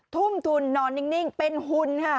ทุ่มทุนนอนนิ่งเป็นหุ่นค่ะ